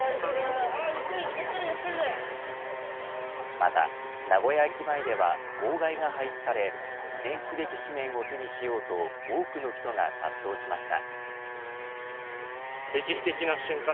また、名古屋駅前では号外が配布され記念すべき紙面を手にしようと多くの人が殺到しました。